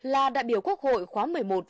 là đại biểu quốc hội khóa một mươi một